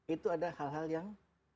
itu ada hal hal yang